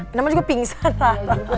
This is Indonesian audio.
namanya juga pingsan lah